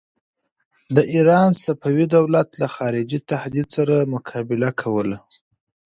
د ایران صفوي دولت له خارجي تهدید سره مقابله کوله.